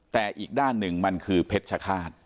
แต่อีกด้านหนึ่งมันคือเพชรฆาต